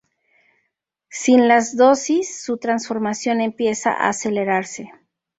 Sin las dosis su transformación empieza a acelerarse.